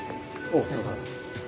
お疲れさまです。